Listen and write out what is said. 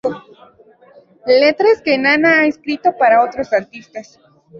Letras que Nana a escrito para otros artistas.